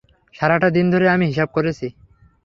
সারাটা দিন ধরে আমি হিসেব করেছি!